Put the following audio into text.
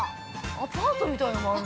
◆アパートみたいなのもある。